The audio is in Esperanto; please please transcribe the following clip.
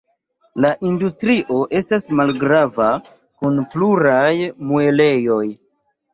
La industrio estas malgrava kun pluraj muelejoj.